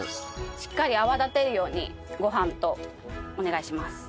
しっかり泡立てるようにご飯とお願いします。